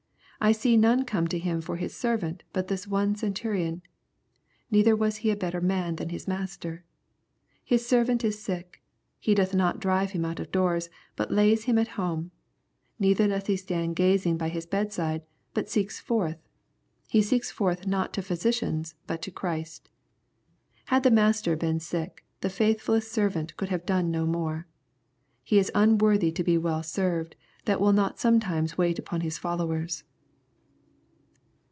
I see none come to Him for his servant but this one Centurion. Neither was he a better man than a master. His servant is sick : he doth not drive him out of doors, but lays him at home ; neither doth he stand gazing by his bedside, but seeks forth ; he seeks forth not to physicians but to Christ. Had the master been sick the faithfullest servant could have done no more. He is unworthy to be well served tliat will not sometimes wait upon his followers."